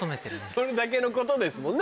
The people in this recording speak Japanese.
それだけのことですもんね。